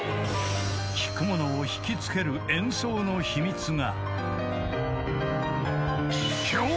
［聴く者を引きつける演奏の秘密が］